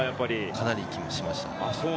かなり緊張しました。